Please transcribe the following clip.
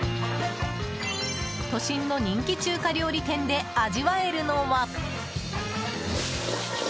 都心の人気中華料理店で味わえるのは。